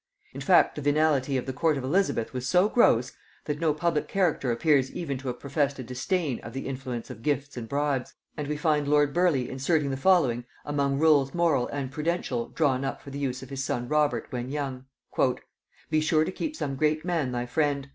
In fact, the venality of the court of Elizabeth was so gross, that no public character appears even to have professed a disdain of the influence of gifts and bribes; and we find lord Burleigh inserting the following among rules moral and prudential drawn up for the use of his son Robert when young: "Be sure to keep some great man thy friend.